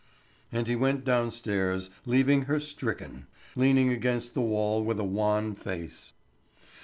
And he went downstairs, leaving her stricken, leaning against the wall with a wan face.